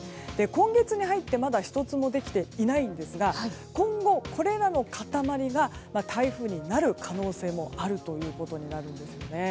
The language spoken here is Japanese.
今月に入って、まだ１つもできていないんですが今後、これらの塊が台風になる可能性もあるということになるんです。